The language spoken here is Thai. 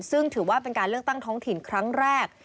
ซึ่งถือว่าเป็นการเลือกตั้งท้องถิ่นครั้งแรก